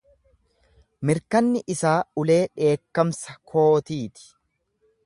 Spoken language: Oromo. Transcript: Mirkanni isaa ulee dheekkamsa kootiiti.